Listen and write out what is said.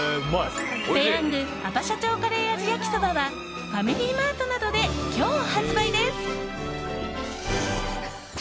ぺヤングアパ社長カレー味やきそばはファミリーマートなどで今日発売です。